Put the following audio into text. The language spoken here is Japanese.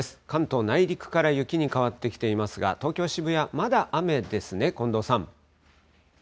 関東内陸から雪に変わってきていますが、東京・渋谷、まだ雨ですね、近藤さん。